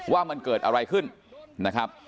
ว่ามันเกิดอะไรขึ้นนะครับ